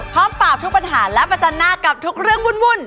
ปราบทุกปัญหาและประจันหน้ากับทุกเรื่องวุ่น